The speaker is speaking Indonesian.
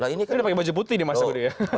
ini udah pakai baju putih nih mas budi ya